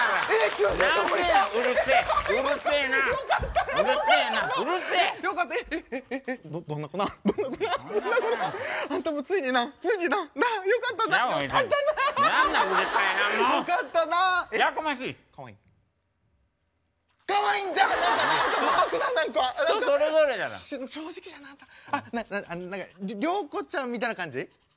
りょうこちゃんみたいな感じ？